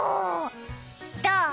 どう？